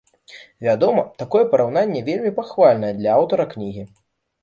Вядома, такое параўнанне вельмі пахвальнае для аўтара кнігі.